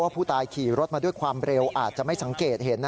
ผู้ตายขี่รถมาด้วยความเร็วอาจจะไม่สังเกตเห็น